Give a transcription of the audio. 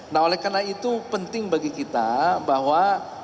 nah oleh karena itu penting bagi kita bahwa